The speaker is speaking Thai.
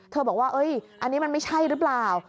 บอกว่าอันนี้มันไม่ใช่หรือเปล่า